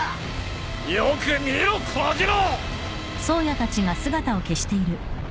よく見ろ小次郎！